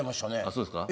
そうですか。